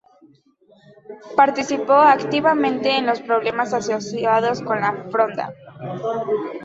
Participó activamente en los problemas asociados con la Fronda.